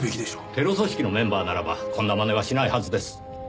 テロ組織のメンバーならばこんな真似はしないはずです。